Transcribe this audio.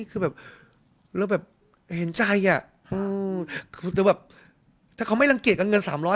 คือแบบแล้วแบบเห็นใจอ่ะอืมคือแบบถ้าเขาไม่รังเกตกับเงินสามร้อย